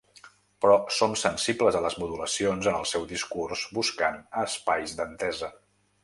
Però som sensibles a les modulacions en el seu discurs buscant espais d’entesa.